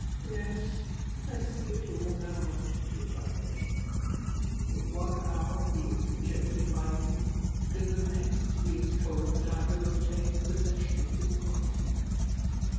"Yes, I see it all now," replied Patience; "in one hour he is rejected by me, and in the next he is told that I have obtained possession of his property.